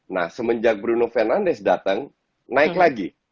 nah semenjak bruno fernandes datang naik lagi